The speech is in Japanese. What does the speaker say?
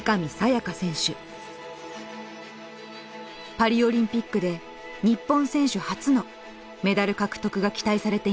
パリオリンピックで日本選手初のメダル獲得が期待されています。